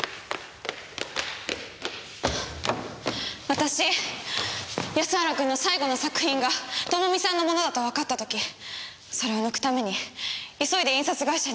私安原君の最後の作品が朋美さんのものだとわかったときそれを抜くために急いで印刷会社に行ったんです。